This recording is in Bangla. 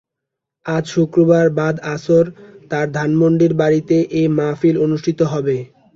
আজ শুক্রবার বাদ আসর তাঁর ধানমন্ডির বাড়িতে এ মাহফিল অনুষ্ঠিত হবে।